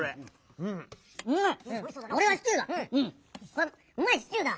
これはうまいシチューだ！